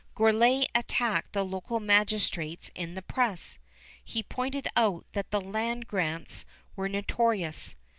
Gourlay attacked the local magistrates in the press. He pointed out that the land grants were notorious.